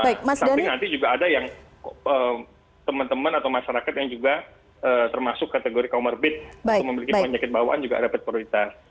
sambil nanti juga ada yang teman teman atau masyarakat yang juga termasuk kategori kaum morbid yang memiliki penyakit bawaan juga dapat prioritas